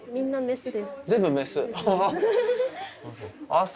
全部メス！